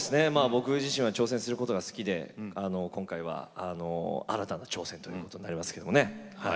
僕自身は挑戦することが好きで今回は新たな挑戦ということになりますけどもね。